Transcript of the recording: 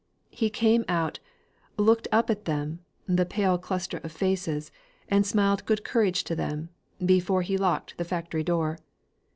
He came out, looked up at them the pale cluster of faces and smiled good courage to them, before he locked the factory door.